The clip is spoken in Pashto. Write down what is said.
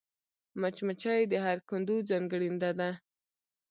مچمچۍ د هر کندو ځانګړېنده ده